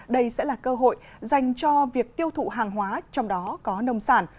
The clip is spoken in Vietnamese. đây sẽ là cơ hội dành cho việc tiêu thụ hàng hóa trong đó có nông sản